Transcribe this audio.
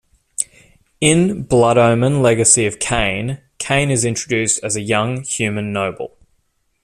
In "Blood Omen: Legacy of Kain", Kain is introduced as a young human noble.